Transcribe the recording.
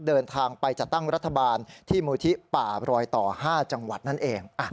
เดินทางไปจัดตั้งรัฐบาลที่มูลที่ป่ารอยต่อ๕จังหวัดนั่นเอง